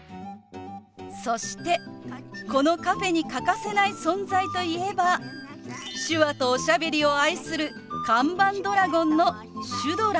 そしてこのカフェに欠かせない存在といえば手話とおしゃべりを愛する看板ドラゴンのシュドラ。